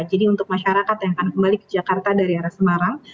jadi untuk masyarakat yang akan kembali ke jakarta dari arah semarang